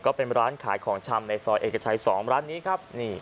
ก็เป็นร้านขายของชำในซอยเอกชัย๒ร้านนี้ครับ